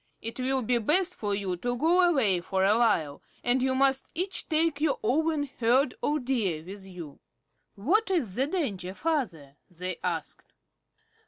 It will be best for you to go away for a while, and you must each take your own herd of Deer with you." "What is the danger, Father?" they asked.